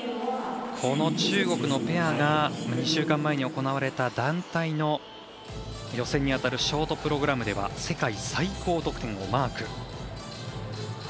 この中国のペアが２週間前に行われた団体の予選にあたるショートプログラムでは世界最高得点をマーク。